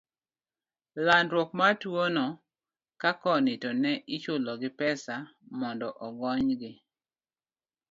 landruok mar tuwono, ka koni to ne ichulogi pesa mondo ogonygi.